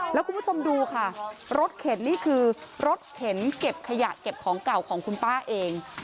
แล้วคุณผู้ชมดูค่ะรถเข็นนี่คือรถเข็นเก็บขยะเก็บของเก่าของคุณป้าเอง